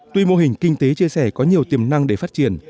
tuy mô hình kinh tế chia sẻ có nhiều tiềm năng để phát triển